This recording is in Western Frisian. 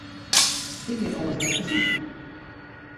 Ik bin ommers net fersûpt.